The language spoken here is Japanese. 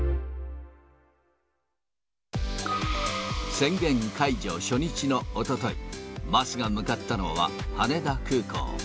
宣言解除初日のおととい、桝が向かったのは、羽田空港。